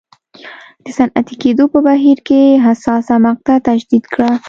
د صنعتي کېدو په بهیر کې حساسه مقطعه تشدید کړه.